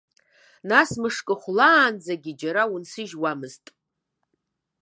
Нас мышкы хәлаанӡагьы џьара унсыжьуамызт!